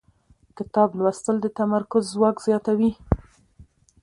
کتاب لوستل د تمرکز ځواک زیاتوي